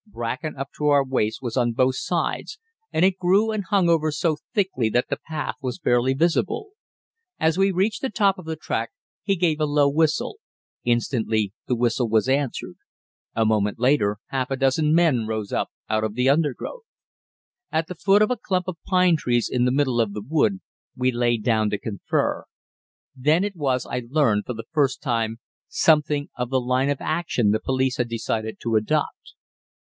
Bracken up to our waists was on both sides, and it grew and hung over so thickly that the path was barely visible. As we reached the top of the track he gave a low whistle. Instantly the whistle was answered. A moment later half a dozen men rose up out of the undergrowth. At the foot of a clump of pine trees in the middle of the wood, we lay down to confer. Then it was I learned, for the first time, something of the line of action the police had decided to adopt.